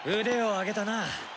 腕を上げたな。